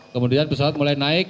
kemudian pesawat mulai naik